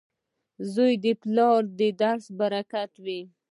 • زوی د پلار د لاس برکت وي.